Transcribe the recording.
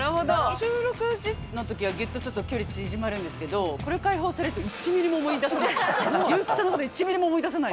収録時のときはぎゅっとちょっと距離縮まるんですけど、これ解放されると１ミリも思い出さない。